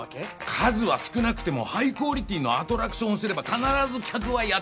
数は少なくてもハイクオリティーのアトラクションをすれば必ず客はやって来る。